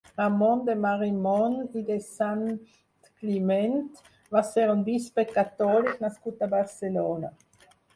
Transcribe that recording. Ramon de Marimon i de Santcliment va ser un bisbe catòlic nascut a Barcelona.